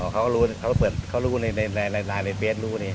เขาก็เปิดร้านในเบสลูกนี้